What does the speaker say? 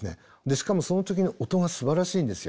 しかもその時の音がすばらしいんですよ。